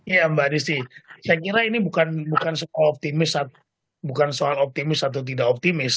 iya mbak adisti saya kira ini bukan soal optimis atau tidak optimis